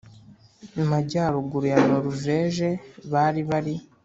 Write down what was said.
majyaruguru ya Noruveje bari bari